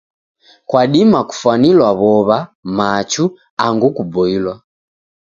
Kwadima kufwanilwa w'ow'a, machu, angu kuboilwa.